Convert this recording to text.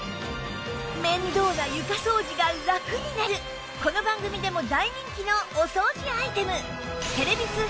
面倒な床掃除がラクになるこの番組でも大人気のお掃除アイテム